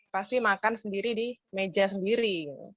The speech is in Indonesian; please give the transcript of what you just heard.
pasti makan sendiri di meja sendiri